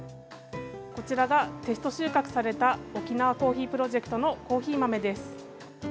こちらがテスト収穫された、沖縄コーヒープロジェクトのコーヒー豆です。